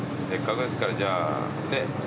せっかくですからじゃあねっ